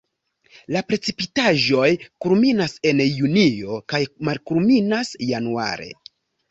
La precipitaĵoj kulminas en junio kaj malkulminas januare.